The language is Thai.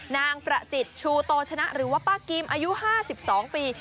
นางประจิตชูโตชนะหรือว่าป้ากิมอายุ๕๒ปี